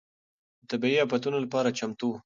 د طبيعي افتونو لپاره چمتو و.